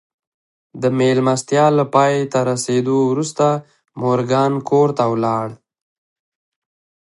د مېلمستیا له پای ته رسېدو وروسته مورګان کور ته ولاړ